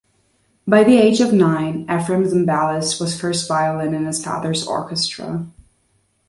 By the age of nine, Efrem Zimbalist was first violin in his father's orchestra.